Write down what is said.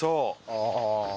ああ。